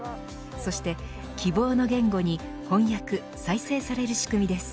そして希望の言語に翻訳、再生される仕組みです。